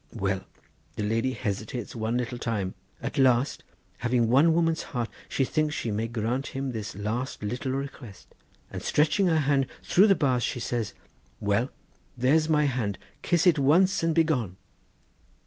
Well, the lady hesitates one little time; at last, having one woman's heart, she thinks she may grant him this last little request, and stretching her hand through the bars she says: 'Well, there's my hand, kiss it once and begone.